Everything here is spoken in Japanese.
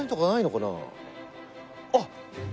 あっ。